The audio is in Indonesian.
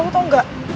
malu tau gak